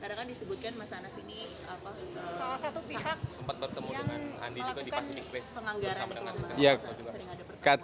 karena kan disebutkan mas anas ini salah satu pihak yang melakukan penganggaran itu